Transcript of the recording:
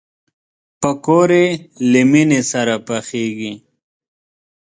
پکورې له مینې سره پخېږي